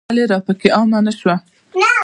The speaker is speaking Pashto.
ولې راپکې عامه نه شوه.